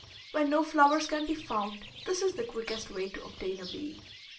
When no flowers can be found, this is the quickest way to obtain a bee.